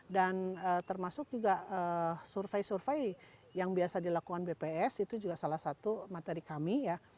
dan termasuk juga survei survei yang biasa dilakukan bps itu juga salah satu materi kami ya